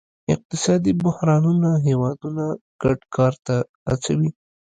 اقتصادي بحرانونه هیوادونه ګډ کار ته هڅوي